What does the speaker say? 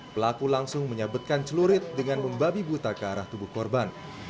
pelaku langsung menyabetkan celurit dengan membabi buta ke arah tubuh korban